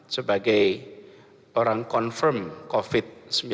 sebagai orang confirm covid sembilan belas